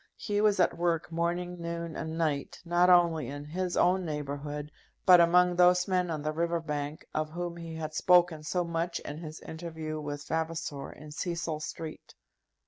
He was at work morning, noon, and night, not only in his own neighbourhood, but among those men on the river bank of whom he had spoken so much in his interview with Vavasor in Cecil Street.